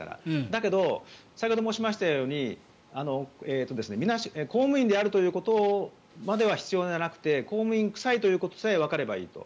だけど、先ほど申しましたように公務員であるということまでは必要じゃなくて公務員臭いということさえわかればいいと。